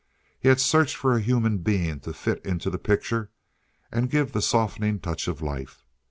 He had searched for a human being to fit into the picture and give the softening touch of life.